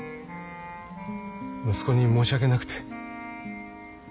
息子に申し訳なくて。